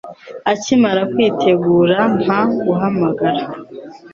Akimara kwitegura, mpa guhamagara.